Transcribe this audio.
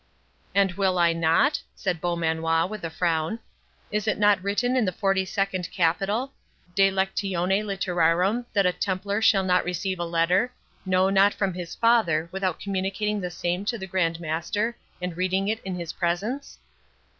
"And will I not?" said Beaumanoir, with a frown. "Is it not written in the forty second capital, 'De Lectione Literarum' that a Templar shall not receive a letter, no not from his father, without communicating the same to the Grand Master, and reading it in his presence?"